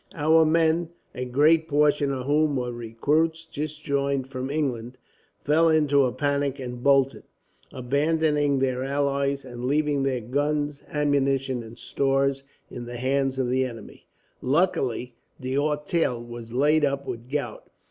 Our men, a great portion of whom were recruits just joined from England, fell into a panic and bolted, abandoning their allies and leaving their guns, ammunition, and stores in the hands of the enemy. "Luckily, D'Auteuil was laid up with gout.